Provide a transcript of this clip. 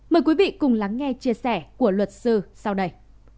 mời quý vị cùng lắng nghe chia sẻ của luật sư sau đây